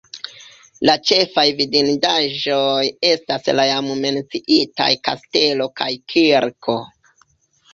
La ĉefaj vidindaĵoj estas la jam menciitaj kastelo kaj kirko.